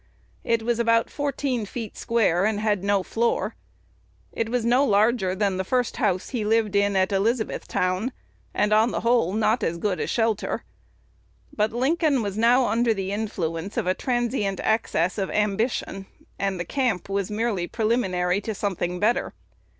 It was about fourteen feet square, and had no floor. It was no larger than the first house he lived in at Elizabethtown, and on the whole not as good a shelter. But Lincoln was now under the influence of a transient access of ambition, and the camp was merely preliminary to something better.